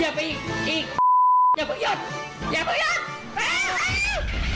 อย่ามิก